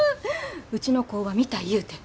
うちの工場見たいいうて。